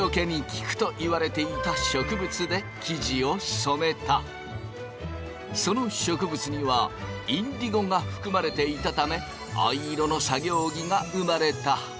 そこでその植物にはインディゴが含まれていたため藍色の作業着が生まれた。